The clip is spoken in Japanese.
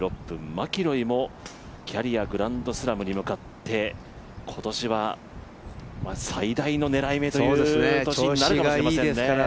マキロイもキャリアグランドスラムに向かって今年は最大の狙い目という年になるかもしれませんね。